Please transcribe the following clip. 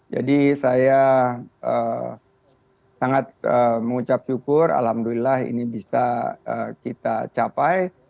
jadi saya sangat mengucap syukur alhamdulillah ini bisa kita capai